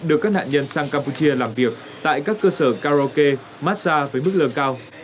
đưa các nạn nhân sang campuchia làm việc tại các cơ sở karaoke massage với mức lương cao